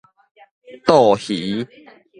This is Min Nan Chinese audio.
蠹魚